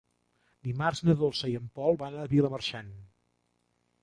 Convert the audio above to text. Dimarts na Dolça i en Pol van a Vilamarxant.